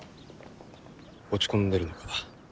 落ち込んでるのか？